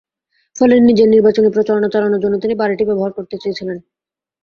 ফলে নিজের নির্বাচনী প্রচারণা চালানোর জন্য তিনি বাড়িটি ব্যবহার করতে চেয়েছিলেন।